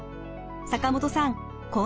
坂本さん